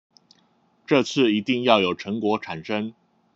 這次一定要有成果產生